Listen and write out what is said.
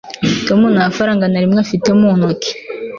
Tom nta faranga na rimwe afite mu ntoki